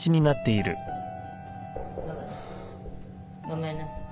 ・ごめんなさい。